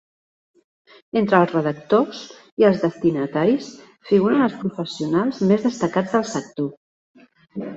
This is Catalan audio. Entre els redactors i els destinataris figuren els professionals més destacats del sector.